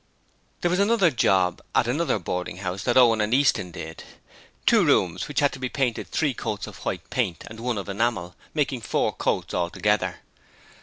There was another job at another boarding house that Owen and Easton did two rooms which had to be painted three coats of white paint and one of enamel, making four coats altogether.